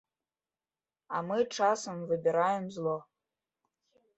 А мы часам выбіраем зло.